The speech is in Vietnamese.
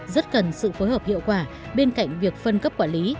rất cần sự phối hợp hiệu quả bên cạnh việc phân cấp quản lý